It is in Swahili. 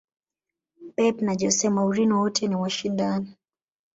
pep na jose mourinho wote ni washindani